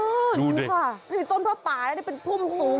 อือดูค่ะนี่ต้นพระป่าได้เป็นพุ่งสูง